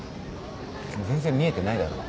全然見えてないだろ。